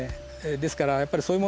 ですからやっぱりそういうもの